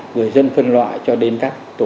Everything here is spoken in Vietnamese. người dân phân loại cho đến các